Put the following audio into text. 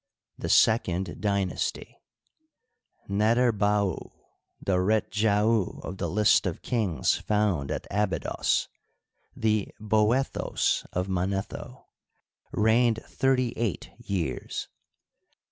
The Second Dynasty, Neterbau, the Betjau of the list of kings found at Abydos, the Boethos of Manetho, reigned thirty eight years.